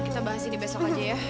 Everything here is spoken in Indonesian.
kita bahas ini besok aja ya